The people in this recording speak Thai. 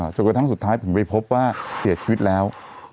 จนกระทั้งสุดท้ายผมไปพบว่าเสียชีวิตแล้ว